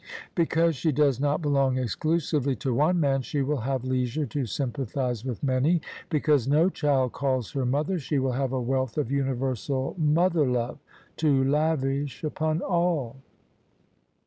Because she does not belong exclusively to one man, she will have leisure to S3rmpathise with many: because no child calls her mother, she will have a wealth of xmiversal mother love to lavish upon all.